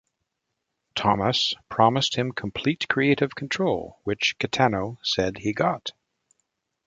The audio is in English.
Thomas promised him complete creative control, which Kitano said he got.